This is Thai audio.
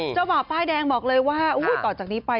เจ้าหมอป้ายแดงบอกเลยว่าอุ้ยต่อจากนี้ไป